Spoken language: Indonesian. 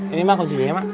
ini mah kuncinya mak